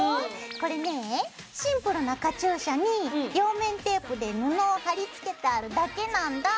これねシンプルなカチューシャに両面テープで布を貼り付けてあるだけなんだ。